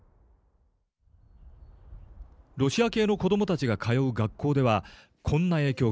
ロシア系の子どもたちが通う学校ではこんな影響が。